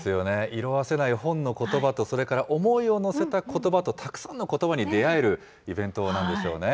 色あせない本のことばと、それから思いを乗せたことばとたくさんのことばに出会えるイベントなんでしょうね。